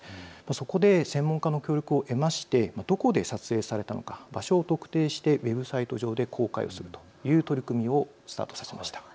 そこで専門家の協力を得ましてどこで撮影されたのか場所を特定してウェブサイト上で公開するという取り組みをスタートさせました。